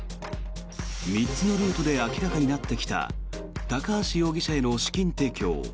３つのルートで明らかになってきた高橋容疑者への資金提供。